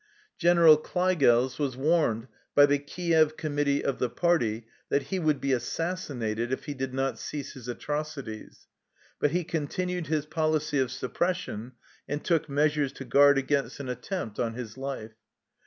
General Kleigels was warned by the Kief committee of the party that he would be assassinated if he did not cease his atrocities; but he continued his policy of suppression, and took measures to guard against an attempt on his life.